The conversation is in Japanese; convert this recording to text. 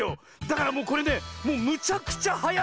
だからもうこれねもうむちゃくちゃはやる！